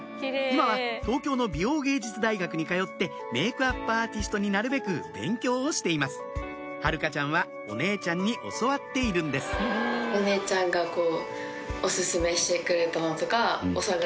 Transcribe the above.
今は東京の美容芸術大学に通ってメイクアップアーティストになるべく勉強をしています晴香ちゃんはお姉ちゃんに教わっているんですお下がり。